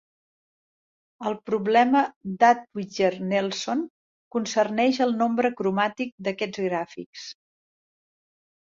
El problema d'Hadwiger-Nelson concerneix el nombre cromàtic d'aquests gràfics.